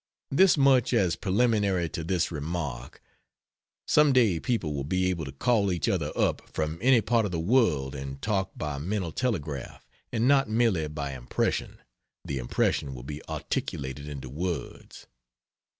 This much as preliminary to this remark: some day people will be able to call each other up from any part of the world and talk by mental telegraph and not merely by impression, the impression will be articulated into words.